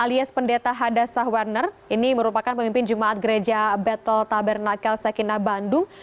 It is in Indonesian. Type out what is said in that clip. alias pendeta hadassah werner ini merupakan pemimpin jemaat gereja betel tabernakel sekina bandung